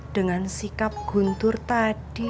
dengan sikap guntur tadi